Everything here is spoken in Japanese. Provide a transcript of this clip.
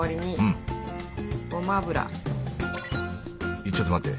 えっちょっと待って。